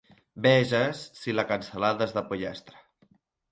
Veges si la cansalada és de pollastre.